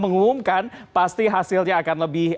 mengumumkan pasti hasilnya akan lebih